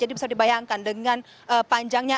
jadi bisa dibayangkan dengan panjangnya